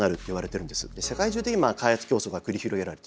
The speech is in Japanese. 世界中で今開発競争が繰り広げられている。